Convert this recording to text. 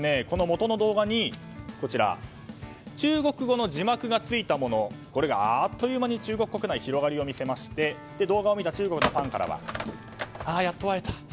この元の動画に中国語の字幕が付いたものこれがあっという間に中国国内で広がりを見せまして動画を見た中国のファンからはやっと会えた！